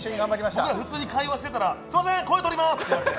僕ら普通に会話してたら、すいません、声とりまーすって。